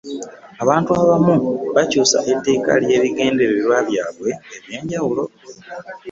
Abantu abamu bakyusa etteeka olw'ebigendererwa byabwe eby'enjawulo.